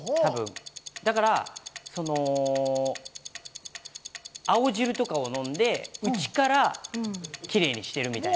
だから、青汁とかを飲んで、内からキレイにしている、みたいな。